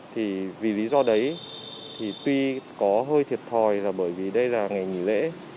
thì vì lý do đấy thì tuy có hơi thiệt thòi là bởi vì đây là ngày nghỉ lễ